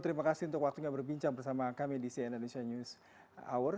terima kasih untuk waktunya berbincang bersama kami di cnn indonesia news hour